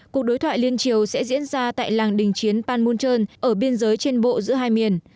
cuộc đối thoại liên triều sẽ diễn ra tại làng đình chiến panmunjoon ở biên giới trên bộ giữa hai miền